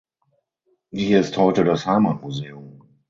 Hier ist heute das Heimatmuseum.